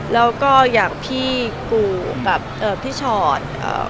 แล้วก็อย่างพี่กูกับพี่ชอต